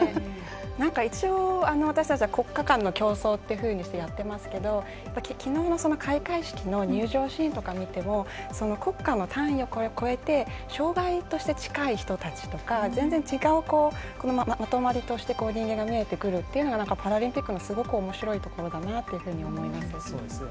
なんか、一応私たちは国家間の競争というふうにしてやってますけどきのうの開会式の入場シーンとか見ていても国家の単位を越えて障がいとして近い人たちとか全然違うまとまりとして人間が見えてくるというのがパラリンピックのすごくおもしろいところだと思います。